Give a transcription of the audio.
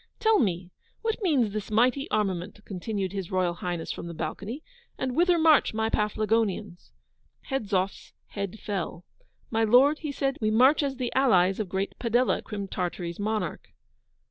'Tell me, what means this mighty armament,' continued His Royal Highness from the balcony, 'and whither march my Paflagonians?' Hedzoff's head fell. 'My Lord,' he said, 'we march as the allies of great Padella, Crim Tartary's monarch.